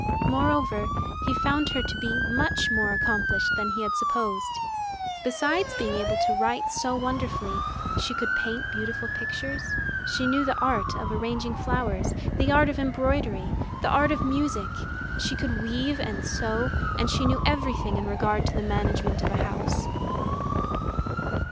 Moreover, he found her to be much more accomplished than he had supposed. Besides being able to write so wonderfully, she could paint beautiful pictures; she knew the art of arranging flowers, the art of embroidery, the art of music; she could weave and sew; and she knew everything in regard to the management of a house.